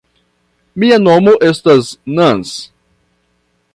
Mia nomo estas Nans.